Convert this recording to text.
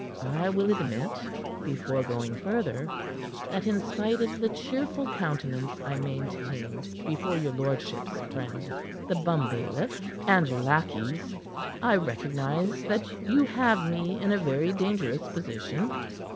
"I will admit, before going further, that in spite of the cheerful countenance I maintained before your lordship's friend, the bumbailiff, and your lackeys, I recognize that you have me in a very dangerous position."